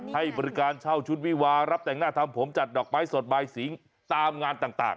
ให้บริการเช่าชุดวิวารับแต่งหน้าทำผมจัดดอกไม้สดบายสิงตามงานต่าง